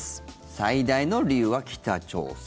最大の理由は北朝鮮。